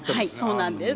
そうなんです。